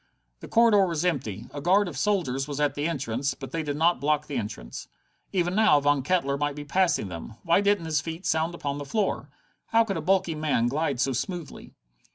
The corridor was empty. A guard of soldiers was at the entrance, but they did not block the entrance. Even now Von Kettler might be passing them! Why didn't his feet sound upon the floor? How could a bulky man glide so smoothly?